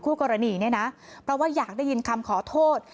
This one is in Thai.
กรณีเนี่ยนะเพราะว่าอยากได้ยินคำขอโทษ